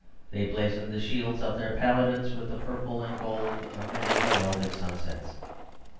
They blazoned the shields of their paladins with the purple and gold of many heraldic sunsets.